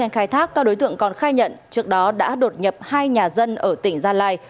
khai thác các đối tượng còn khai nhận trước đó đã đột nhập hai nhà dân ở tỉnh gia lai